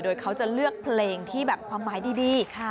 โดยเขาจะเลือกเพลงที่แบบความหมายดี